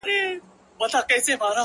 • و تاسو ته يې سپين مخ لارښوونکی، د ژوند،